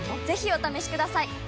ぜひお試しください！